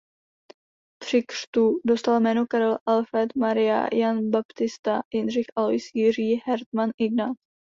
Při křtu dostal jméno "Karel Alfréd Maria Jan Baptista Jindřich Alois Jiří Hartman Ignác".